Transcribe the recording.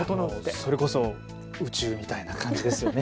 それこそ宇宙みたいな感じですよね。